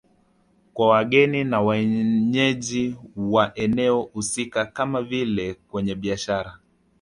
Kwa wageni na wenyeji wa eneo husika kama vile kwenye biashara